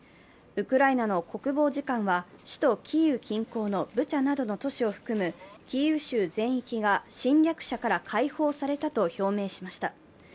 ウクライナの国防次官は首都キーウ近郊のブチャなどの都市を含むキーウ州全域が侵略者から解放されたと表明しました。